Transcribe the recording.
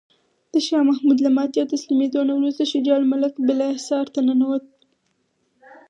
د شاه محمود له ماتې او تسلیمیدو نه وروسته شجاع الملک بالاحصار ته ننوت.